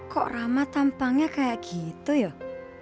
kok rama tampangnya kayak gitu yuk